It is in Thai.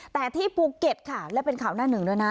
แต่ที่ภูเก็ตค่ะและเป็นข่าวหน้าหนึ่งด้วยนะ